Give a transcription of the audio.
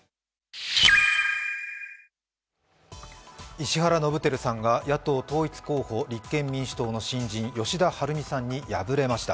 石原伸晃さんが野党統一候補、立憲民主党の新人吉田晴美さんに敗れました。